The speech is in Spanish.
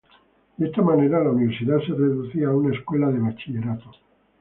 De esta manera la universidad se reducía a una escuela de bachillerato.